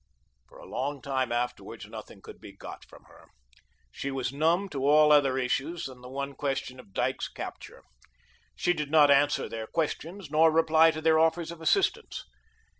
For a long time afterwards nothing could be got from her. She was numb to all other issues than the one question of Dyke's capture. She did not answer their questions nor reply to their offers of assistance.